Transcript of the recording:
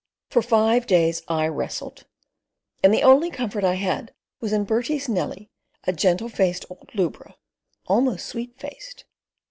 For five days I "wrestled"; and the only comfort I had was in Bertie's Nellie, a gentle faced old lubra almost sweet faced.